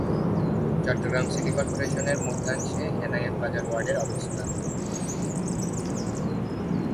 Chittagong city কর্পোরেশনের মধ্যাংশে এনায়েত বাজার ওয়ার্ডের অবস্থান।